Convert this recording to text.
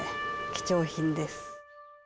貴重品です。